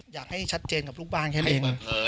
อยากให้ชัดเจนกับทุกบ้านแค่นี้